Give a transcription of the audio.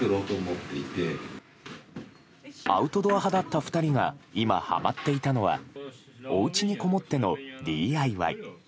アウトドア派だった２人が今はまっていたのはおうちにこもってのＤＩＹ。